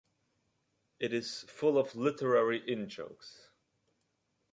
It is full of literary in-jokes.